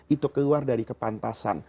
untuk keluar dari kepantasan